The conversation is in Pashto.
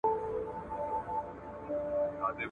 زه به سبا ته فکر وکړم!!